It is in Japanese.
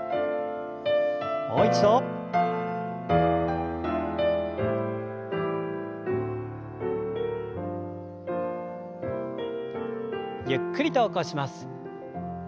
もう一度。ゆっくりと起こします。